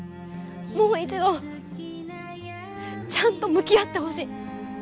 もう一度ちゃんと向き合ってほしい。